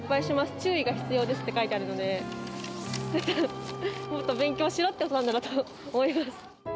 注意が必要ですって書いてあるので、もっと勉強しろってことなんだろうと思います。